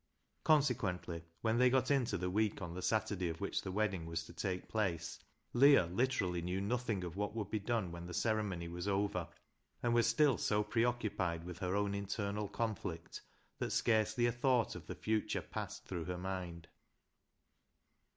Consequently, when they got into the week on the Saturday of which the wedding was to take place, Leah literally knew nothing of what would be done when the ceremony was over, and was still so preoccupied with her own internal con flict that scarcely a thought of the future passed through her mind.